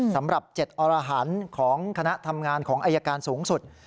สำหรับ๗อรหันต์ของคณะทำงานของอายการสูงสุด